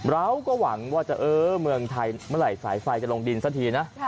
เราก็หวังว่าจะเออเมืองไทยเมื่อไหร่สายไฟจะลงดินสักทีนะ